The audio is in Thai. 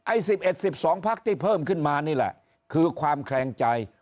๑๑๑๑๒พักที่เพิ่มขึ้นมานี่แหละคือความแคลงใจ